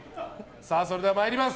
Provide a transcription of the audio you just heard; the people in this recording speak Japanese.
それでは参ります。